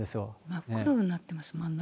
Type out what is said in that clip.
真っ黒になってますもんね、中。